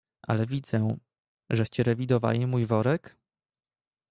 "Ale widzę, żeście rewidowali mój worek?"